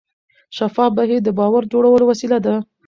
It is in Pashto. شفاف بهیر د باور جوړولو وسیله ده.